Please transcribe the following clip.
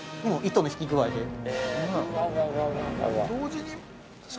もう糸の引きぐあいで。